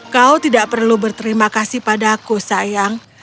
kau tidak perlu berterima kasih padaku sayang